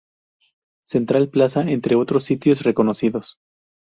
Central Plaza entre otros sitios reconocidos.